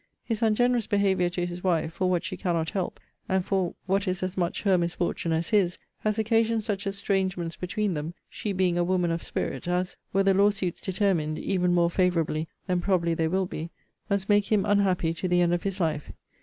His ungenerous behaviour to his wife, for what she cannot help, and for what is as much her misfortune as his, has occasioned such estrangements between them (she being a woman of spirit) as, were the law suits determined, even more favourably than probably they will be, must make him unhappy to the end of his life.